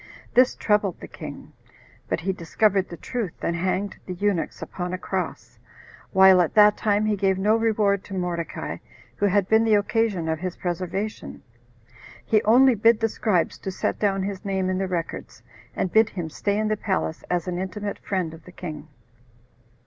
This troubled the king; but he discovered the truth, and hanged the eunuchs upon a cross, while at that time he gave no reward to Mordecai, who had been the occasion of his preservation. He only bid the scribes to set down his name in the records, and bid him stay in the palace, as an intimate friend of the king.